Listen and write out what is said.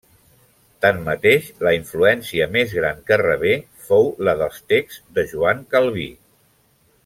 Tanmateix, la influència més gran que rebé fou la dels texts de Joan Calví.